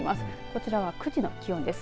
こちらは９時の気温です。